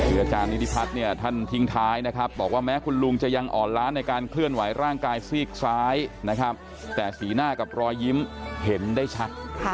คืออาจารย์นิธิพัฒน์เนี่ยท่านทิ้งท้ายนะครับบอกว่าแม้คุณลุงจะยังอ่อนล้านในการเคลื่อนไหวร่างกายซีกซ้ายนะครับแต่สีหน้ากับรอยยิ้มเห็นได้ชัด